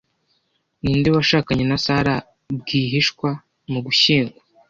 Ninde washakanye na Sara bwihishwa mu Gushyingo